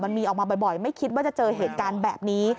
มันมีออกมาบ่อยไม่คิดว่าจะเจอเหตุการณ์แบบนี้